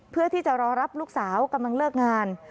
เพื่อที่จะรอรับลูกสาวกำลังเลิกงาน